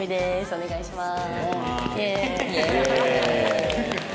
お願いします。